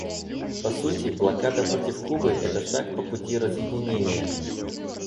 По сути, блокада против Кубы — это шаг по пути разъединения.